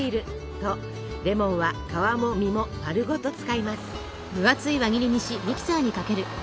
とレモンは皮も実もまるごと使います。